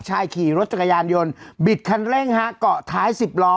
ชายขี่รถจักรยานยนต์บิดคันเร่งฮะเกาะท้าย๑๐ล้อ